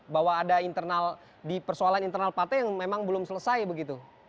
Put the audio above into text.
bahwa ada internal di persoalan internal partai yang memang belum selesai begitu